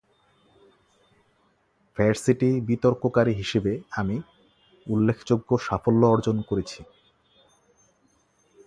varsity বিতর্ককারী হিসেবে আমি উল্লেখযোগ্য সাফল্য অর্জন করেছি